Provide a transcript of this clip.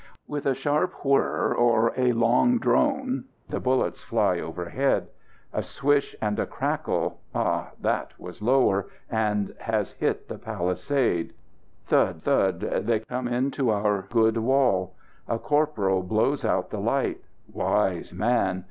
With a sharp whirr, or a long drone, the bullets fly overhead. A swish and a crackle. Ah! that was lower, and has hit the palisade. Thud! Thud! they come into our good wall. A corporal blows out the light; wise man!